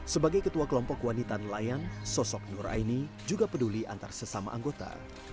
sebagai ketua kelompok wanita nelayan sosok nur aini juga peduli antar sesama anggota